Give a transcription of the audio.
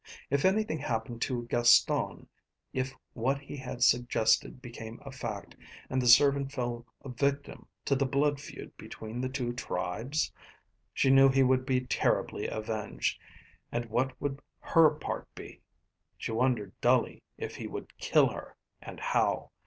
If anything happened to Gaston if what he had suggested became a fact and the servant fell a victim to the blood feud between the two tribes? She knew he would be terribly avenged, and what would her part be? She wondered dully if he would kill her, and how.